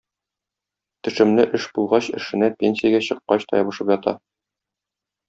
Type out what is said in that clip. Төшемле эш булгач эшенә пенсиягә чыккач та ябышып ята.